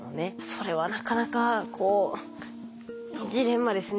それはなかなかこうジレンマですね。